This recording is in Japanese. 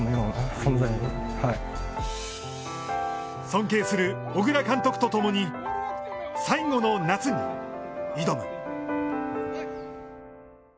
尊敬する小倉監督と共に最後の夏に挑む。